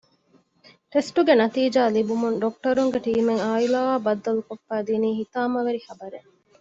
ޓެސްޓުގެ ނަތީޖާ ލިބުމުން ޑޮކްޓަރުންގެ ޓީމެއް ޢާއިލާއާ ބައްދަލުކޮށްފައިދިނީ ހިތާމަމަވެރި ހަބަރެއް